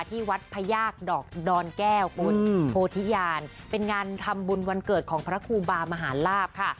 ที่วัดพยากดอกดอนแก้วคุณโพธิญาณเป็นงานทำบุญวันเกิดของพระครูบามหาลาภค่ะ